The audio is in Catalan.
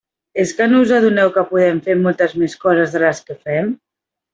És que no us adoneu que podem fer moltes més coses de les que fem?